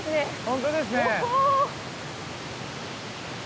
本当ですね。